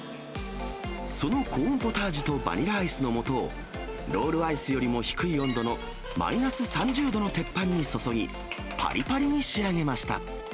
そのコーンポタージュとバニラアイスのもとを、ロールアイスよりも低い温度のマイナス３０度の鉄板に注ぎ、ぱりぱりに仕上げました。